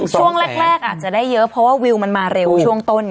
ช่วงแรกอาจจะได้เยอะเพราะว่าวิวมันมาเร็วช่วงต้น